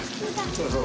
そうそう。